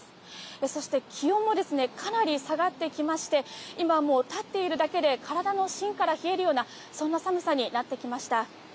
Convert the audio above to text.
そして気温もかなり下がってきまして、今はもう立っているだけで体の芯から冷えるような、そんな寒さになってきました。